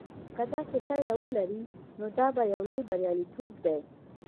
که داسې پایله ولري نو دا یو لوی بریالیتوب دی.